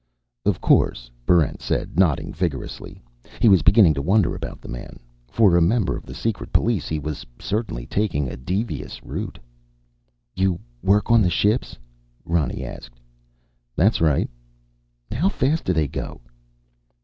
"Of course," Barrent said, nodding vigorously. He was beginning to wonder about the man. For a member of the secret police, he was certainly taking a devious route. "You work on the ships?" Ronny asked. "That's right." "How fast do they go?"